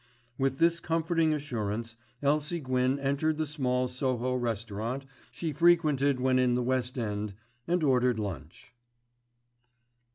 With this comforting assurance Elsie Gwyn entered the small Soho restaurant she frequented when in the West End and ordered lunch.